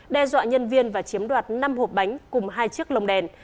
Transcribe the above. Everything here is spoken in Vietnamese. đe dọa nhân viên và chiếm đoạt năm hộp bánh cùng hai chiếc lồng đèn